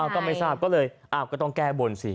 ก็ไม่ทราบก็เลยก็ต้องแก้บนสิ